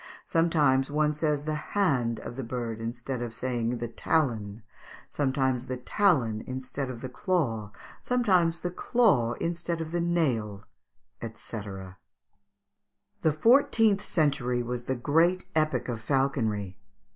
Sometimes one says the hand of the bird instead of saying the talon, sometimes the talon instead of the claw, sometimes the claw instead of the nail" &c. The fourteenth century was the great epoch of falconry.